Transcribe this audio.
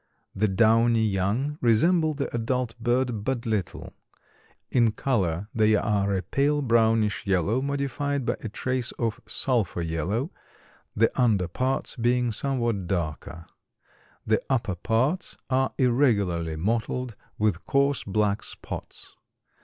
The downy young resemble the adult bird but little. In color they are a pale brownish yellow modified by a trace of sulphur yellow, the under parts being somewhat darker. The upper parts are irregularly mottled with coarse black spots.